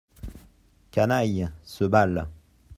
Canaille, ce bal.